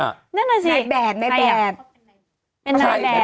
นั่นไงสิในแบบในแบบ